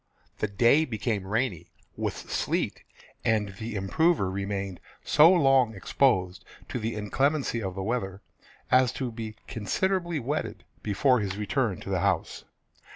The day became rainy, with sleet, and the improver remained so long exposed to the inclemency of the weather as to be considerably wetted before his return to the house.